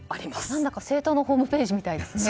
何だか政党のホームページみたいですね。